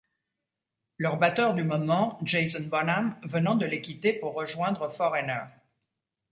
Leur batteur du moment, Jason Bonham venant de les quitter pour rejoindre Foreigner.